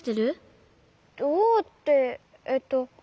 どうってえっと。